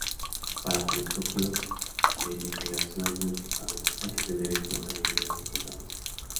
Para telescopios de investigación muy pesados hay que tener en cuenta medidas de contrapeso.